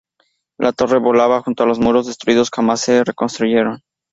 La torre volada junto a los muros destruidos jamás se reconstruyeron.